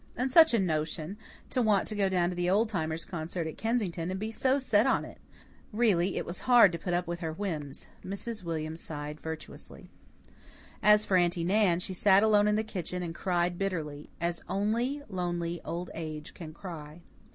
And such a notion to want to go to the Old Timers' concert at Kensington and be so set on it! Really, it was hard to put up with her whims. Mrs. William sighed virtuously. As for Aunty Nan, she sat alone in the kitchen, and cried bitterly, as only lonely old age can cry.